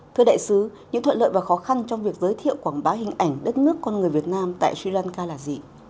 thưa đại sứ những thuận lợi và khó khăn trong việc giới thiệu quảng bá hình ảnh đất nước con người việt nam tại sri lanka là gì